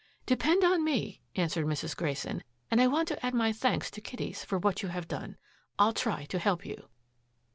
"Depend on me," answered Mrs. Grayson, "and I want to add my thanks to Kitty's for what you have done. I'll try to help you."